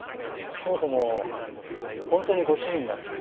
そもそも本当にご主人が作ったんでしょうか？